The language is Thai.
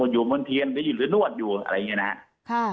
อยู่มนเทียนหรือนวดอยู่อะไรอย่างนี้นะ